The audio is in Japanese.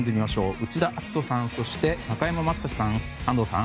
内田篤人さん、中山雅史さん安藤さん。